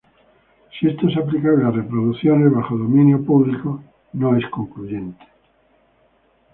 Si esto es aplicable a reproducciones bajo dominio público, no es concluyente.